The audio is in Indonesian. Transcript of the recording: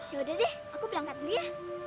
yaudah deh aku berangkat dulu ya